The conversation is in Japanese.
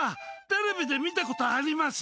テレビで見たことあります！